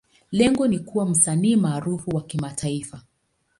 Lengo ni kuwa msanii maarufu wa kimataifa.